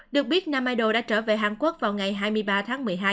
được biết nam đã trở về hàn quốc vào ngày hai mươi ba tháng một mươi hai